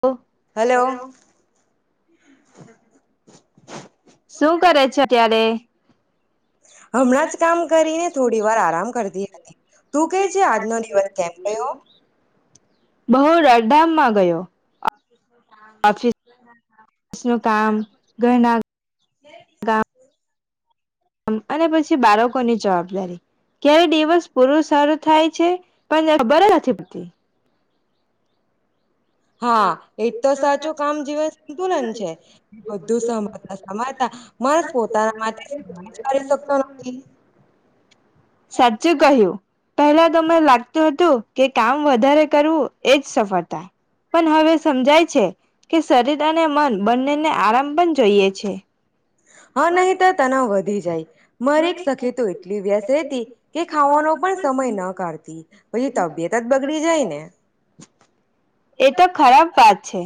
Hello. શું કરે છે અત્યારે? હમણાં જ કામ કરીને થોડી વાર આરામ કરતી હતી. તું કેહે છે આજનો દિવસ કેમ ગયો? બહુ રડ ધામમાં ગયો. ઓફિસનું કામ ઘરના કામ અને પછી બાળકોની જવાબદારી. ક્યારે દિવસ પૂરું સારું થાય છે,. પણ એ ખબર નથી પડતી. હા, એ તો સાચું કામ જીવન સંતુલન છે, એ બધું સમાલતા સમાલતા માણસ પોતાના માટે કઈ જ કરી શકતો નથી. સાચું કહ્યું. પહેલા તો મને લાગતું હતું. કે કામ વધારે કરવું એજ સફળતા. પન હવે સમજાય છે કે, શરીર અને મન બંનેને આરામ પન જોઈએ છે. હા, નહી તો તનાવ વધી જાય. મારી એક સખી તો એટલી વ્યસ્ત રેહતી કે ખાવાનો પણ સમય ન કાઢતી, પઈ તબિયત જ બગડી જાય ને. એ તો ખરાબ વાત છે.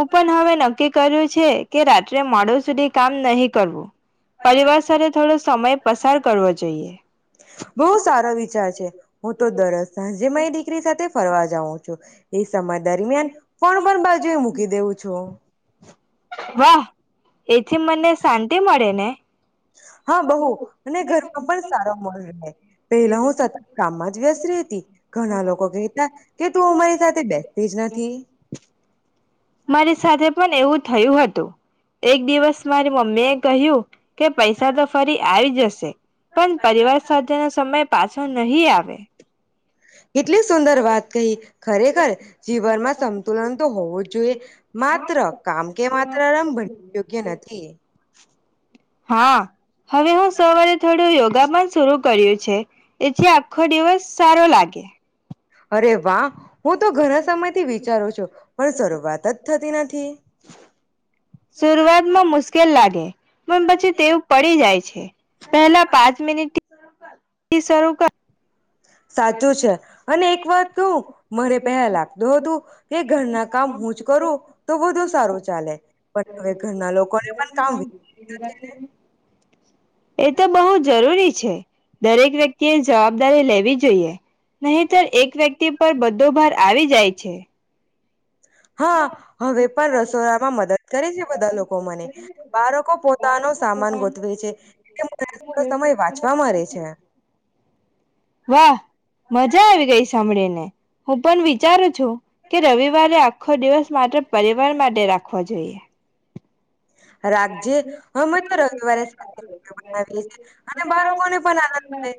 હું પણ હવે નક્કી કર્યું છે કે, રાત્રે મોડુ સુધી કામ નહી કરવું. પરિવાર સાથે થોડો સમય પસાર કરવો જોઈએ [inaudible] બોવ સારો વિચાર છે. હું તો દરોજ સાંજે માઈ દીકરી સાથે ફરવા જાઉં છું. એ સમય દરમિયાન ફોણ પણ બાજુ એ મૂકી દેવું છું. [inaudible] વાહ એથી મને શાંતિ મળે ને હા બહુ અને ઘરમાં પણ સારો મોલ રહે, પેલા હું સતત કામમાં જ વ્યસ્ત ર હતી ઘણા લોકો કહેતા, કે તું અમારી સાથે બેસતી જ નથી. મારી સાથે પણ એવું થયું હતું. એક દિવસ મારી મમ્મી કહીયુ કે પૈસા તો ફરી આવી જશે પણ પરિવાર સાથે નો સમય પાછો નહી આવે. કેટલી સુંદર વાત કહી, ખરેખર જીવનમાં સંતુલન તો હોવું જ જોઈએ, માત્ર કામ કે માત્ર આમ ભન યોગ્ય નથી હા હવે હું સવારે થોડું યોગા પણ શર કર્યું છે, એથી આખો દિવસ સારો લાગે. અરે વાહ હું તો ઘણા સમયથી વિચારું છું, પણ શરૂઆત જ થતી નથ. થી. શરૂઆતમાં મુશ્કેલ લાગે, પણ પછી તેવ પડી જાય છે પહેલા પાંચ મિનિટ થી શરૂ કર સાચું છે અને એક વાત કહું મને પહેલા લાગતું હતું કે ઘરના કામ હું જ કરું તો બધું સારું ચાલે પણ હવે ઘરના લોકોને પણ કામ એ તો બહુ જરૂરી છે, દરેક વ્યક્તિ એ જવાબદારી લેવી જ નહીતર એક વ્યક્તિ પર બધો ભાર આવી જાય છે. હા હવે પણ રસોડામાં મદદ કરે છે બધા લોકો મને બાળકો પોતાનો સામાન ગોઠવે છે એટલે મને થોડો સમય વાંચવા મળે છે વાહ મજા આવી ગઈ સાંભળીને. હું પણ વિચારું છું કે રવિવારે આખો દિવસ માત્ર પરિવાર માટે રાખવા જોઈએ. રાખજે અમે તો રવિવારે બનાવીએ છી અને બાળકોને પણ આનંદ પડે.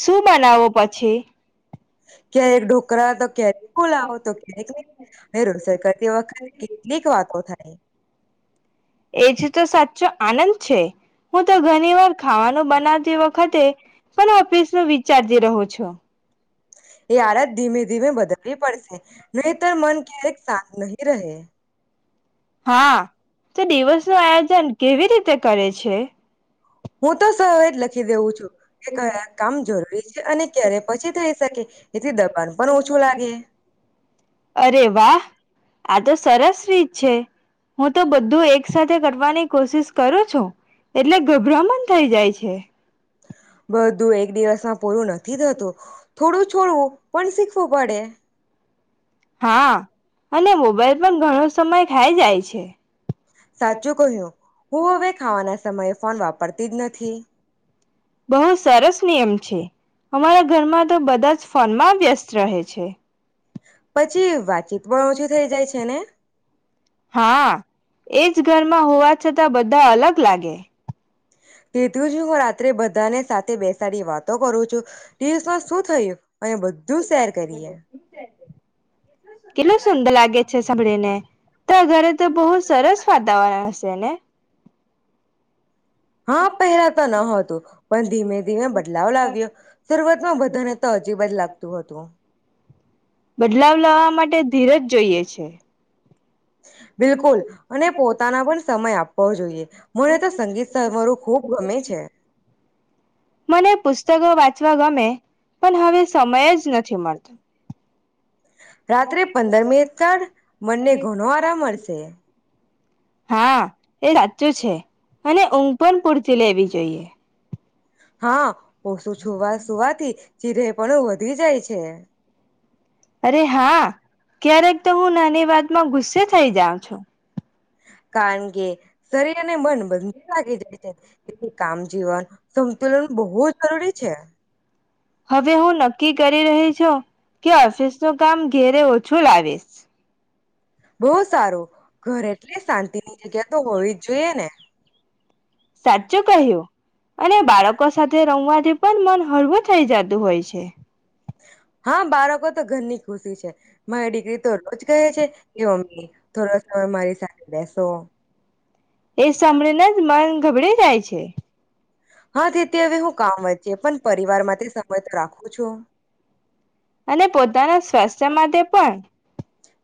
શું બનાવો પછી? ક્યારેક ઢોકરા તો ક્યારેક ખુલાવો તો ક્યારેકડ કરતી વખત કેટલીક વાતો થાય. એ જ તો સાચો આનંદ છે હું તો ઘણી વાર ખાવાનું બનાવતી વખતે પણ ઓફિસ ન વિચારતી રહું છું. એ આડત ધીમે ધીમે બદલવી પડશે, નહીતર મન ક્યારેક શાંત નહી રહે. હા તો દિવસ નું આયોજન કેવી રીતે કરે છે? હું તો સહેજ જ લખી દેઉું છું, કે કયા કામ જરૂરી છે અને ક્યારે પછી થઈ શકે, એથી દબાણ પણ ઓછું લાગે. અરે વાહ આ તો સરસ રીત છે. હું તો બધું એક સાથે કરવાની કોશિશ કરું છું. એટલે ગભરામન થઇ જાય છે. છે. બધું એક દિવસમાં પૂરું નથી થતું થોડું છોડવું પણ શીખવું પડે. હા અને મોબાઈલ પણ ઘણો સમય થાય જાય છે. સાચું કહ્યું, હું હવે ખાવાના સમયે ફોન વાપરતી જ નથી. બહુ સરસ નિયમ છે. અમારા ઘરમાં તો બધા જ ફોનમાં વ્યસ્ત રહે છે. પછી વાતચીત પણ ઓછી થઈ જાય છે ને હા એજ ઘરમાં હોવા છતાં બધા અલગ લાગે. તે તું જ હું રાત્રે બધાને સાથે બેસાડી વાતો કરું છું, દિવસમાં શું થયું? અહીંયા બધ- કેટલું સુંદર લાગે છે સાંભળીને તો ઘરે તો બહુ સરસ વાતાવરણ તેણે. હા પહેલા તો ન હતું પણ ધીમે ધીમે બદલાવ લાવ્યો શરૂઆતમાં બધાને તો હજીબ જ લાગતું હતું. બદલાવ લાવવા માટે ધીરજ જોઈએ છે. બિલકુલ અને પોતાના પણ સમય આપ હોય જોઈએ. મને તો સંગીત સમારોહ ખૂબ ગમે છે મને પુસ્તકો વાંચવા ગમે પણ હવે સમય જ નથી મળતો. હા રાત્રે એ પંદર મિનિટ કાઢ મનને ઘણો આરામ મળશે સા ચૂ છે અને ઊંઘ પણ પૂરતી લેવી જોઈએ. હા ઓછું છુવા સુવાથી ચીરે પણ વધી જાય છે. અરે હા ક્યારેક તો હું નાની વાત માં ગુસ્સે થઇ જાઉં છું. કારણ કે શરીર અને મન બંધ લાગી જાય છે એ કામ જવન સતુલન બહુ જરૂરી છે. છુ. કે ઓફિસ નું કામ ઘેરે ઓછું લાવીશ. બો સારું ઘર એટલે શાંતિની જગ્યા તો હોવી જ જોઈએ ને. સાચું કહ્યું, અને બાળકો સાથે રમવાથી પણ મન હળવું થઈ જતું હોય છે. હા બાળકો તો ઘરની ખુશી છે મારી દીકરી તો રોજ કહે છે, કે મમી થોડો સમય મારી સાથે બેસો. એ સાંભળીને જ મન ગભરેેય જાય છે. હા તેથી હવે હું કામ વચ્ચે પણ પરિવાર માટે સબંધ રાખું છું. અને પોતાના સ્વાસ્થ્ય માટે પણ.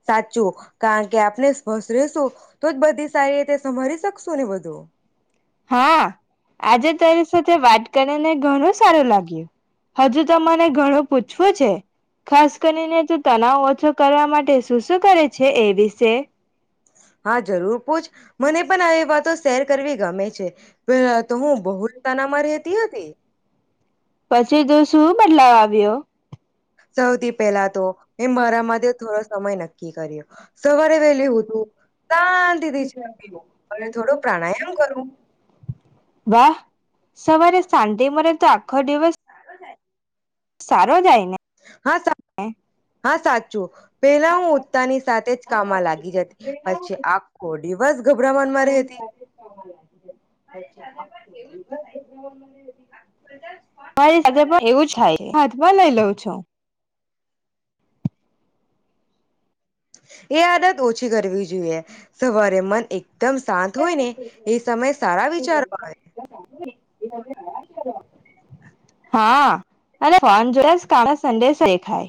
સાચું કારન કે આપને સ્વસ્થ રેશું તો જ બધી સારી રીતે સંભરી શકશું ને બધું. હા. આજે તારી સાથે વાટ તેનેને ઘણું સારું લાગ્યું. હજુ તો મને ઘણું પૂછ શુ છે ખાસ કરીને તું તનાવ ઓછો કરી કરવા માટે જ તું શું કરે છે એ વિશે? હા જરૂર પૂછ તે પેલા તો હું બહુ જ તનામાં રેતી હતી. પછી તો શું બદલા વિયો સૌથી પહેલા તો મે મારા માટે થોડો સમય નક્કી કર્યો. સવારે વહેલી ઉથુ શાંતિથી [inaudible] અનેથોડું પ્રાણાયામ કરું. વાહ સવારે શાંતિ મળે તો આખો દિવસ સારો જાય ન હા, સા હા સાચું. પેલા હું ઉઠતાની સાથે જ કામમાં લાગી જતી, પછી આખો ડીવસ મારી સાથે પણ એવું જ થાય [unintelligible] વ લઈ લઉં છું. એ આદત ઓછી કરવી જોઈએ, સવારે મન એક દમ શાંત હોય ને એ સમયે સારા વિચારો આવે. હા અને ફોન જોયાસ કાળા સંદેશ દેખાય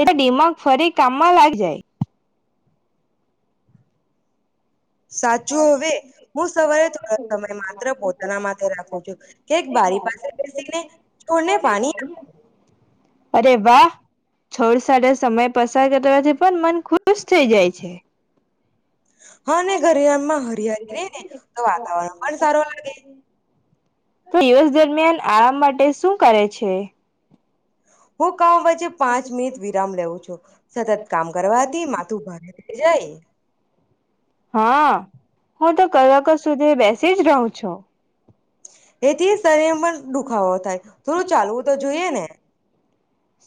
એટલે ડીમાગ ફરી કામમાં લાગ જાય. સાચું હવે હું સવારે થોડા સમય માત્ર પોતાના માટે રાખું છું કેક બારી પાસે બેસીને છોડને પાણી આપું અરે વાહ છોડ સાથે સમય પસાર કર પણ મન ખુશ થઈ જાય છે. હ ને ઘરિરામાં હરિયાારી રે ને તો વાતાવરણ પણ સારું લાગે. તો દિવસ દરમિયાન આરામ માટે શું કરે છે? હું કઉ વચ્ચે પાંચ મિનિટ વિરામ લેવું છું સતત કામ કરવાથી માથું ભારે જાય. હા હું તો કલાકો સુધી બેસ સીજ રવું છું. એથી શરીર પણ દુખાવો થાય થોડું ચાલવું તો જોઈએ ને.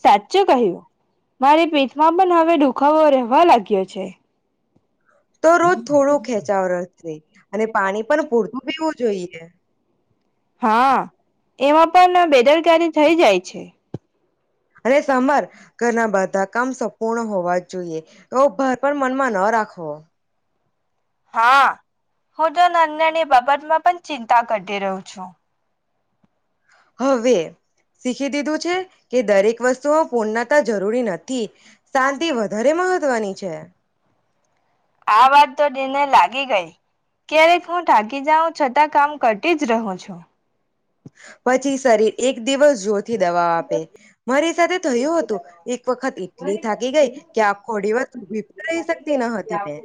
સાચું કહ્યું મારી પીઠમાં પણ હવે દુ દુખાવો રહેવા લાગ્યો છે. તો રોજ થોડું ખેંચાવ રે અને પાણી પણ પૂરતું પીવું જોઈએ. હા, એમાં પન બેદરકારી થઇ જાય છે. અને સાંભર ઘરના બધા કામ સંપૂર્ણ હોવા જોઈએ તેવો ભાર પણ મનમાં ન રાખવો. હા, હું તો નાન નાની બાબતમાં પણ ચિંતા કરટી રઉ છું. હવે શીખી દીધું છે કે દરેક વસ્તુઓ પૂર્ણતા જરૂરી નથી, શાંતિ વધારે મહત્વની છે. આ વાત તો દિલને લાગી ગઈ. ક્યારેક હું થાકી જાઉં છટા કામ કરટી જ રહું છું. પછી શરીર એક દિવસ થીદવા આપે, મારી સાથે થયું હતું, એક વખત એટલી થાકી ગેઈ કે આખો ડિવસ ઉભી પણ રહી શકતી ન હતી મેં.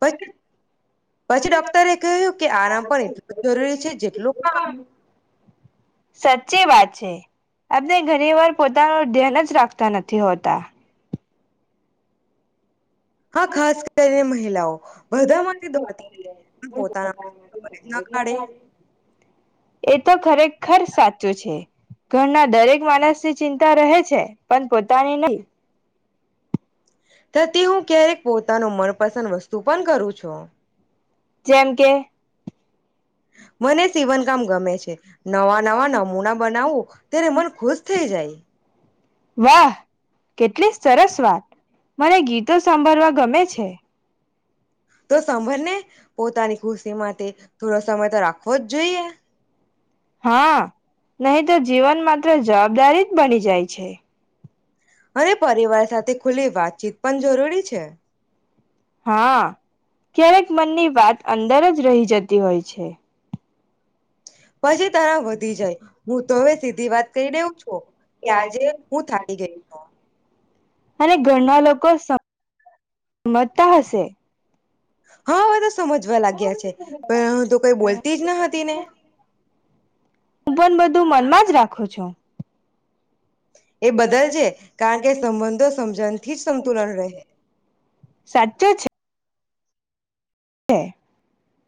પછી પછી ડોક્ટરે કહ્યું કે આરામ પણ એટલું જ જરૂરી છે જેટલું કામ સાચ્ચી વાત છે, આપને ઘણી વાર પોતાનું ધ્યાન જ રાખ તા નથી હોતા. હા, ખાસ કરીને મહિલાઓ, બધામાંટે દોડતી રે પણ પોતાના માટે [inaudible] ના ખાડે એ તો ખરેખર સાચું છે, ઘરના દરેક માણસ તે ચિંતા રહે છે. પન પોતાની નહી થતી હું ક્યારેક પોતાનું મનપસંદ વસ્તુ પન કરું છું જેમ કે મને સીવનકામ ગમે છે નવા નવા નમૂના બનાવું ત્યારે મન ખુશ થઈ જાય વાહ! કેટલી સરસ વાત. મને ગીતો સાંભળવા ગમે છે. તો સાાભરને પોતાની ખુશી માટે થોડો સમય તો રાખવો જ જોઈએ. નહી તો જીવન માત્ર જવાબદારી જ બની જાય છે. અને પરિવાર સાથે ખુલ્લી વાતચીત પણ જરૂરી છે હા ક્યારેક મનની વાત અંદર જ રહી જ તી હોય છે. પછી તણાવ વધી જાય હું તો હવે સીધી વાત કહી દઉં છું કે આજે હું થાકી ગઈ છું અને ઘરના લોકો સ મજતા હશે હા, અવે તો સમજવા લાગ્યા છે, પરહંતુ કંઈ બોલતી જ ન હતી ને હું પણ બધું મનમાં જ રાખું છું એ બદલ જે, કારણ કે સંબંધો સમજનથી જ સંતુલન રહે. સાચો છે. [unintelligible]